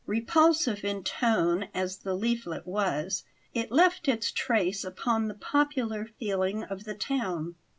Repulsive in tone as the leaflet was, it left its trace upon the popular feeling of the town.